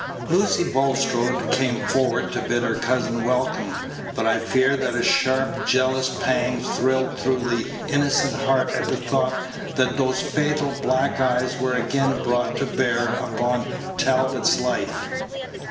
Lucy Bulstrode came forward to bid her cousin welcome; but I fear that a sharp, jealous pang thrilled through that innocent heart at the thought that those fatal black eyes were again brought to bear upon Talbot's life.